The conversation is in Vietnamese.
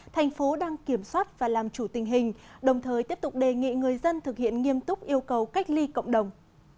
thành phố đang kiểm soát và làm chủ tình hình đồng thời tiếp tục đề nghị người dân thực hiện nghiêm túc yêu cầu cách ly cộng đồng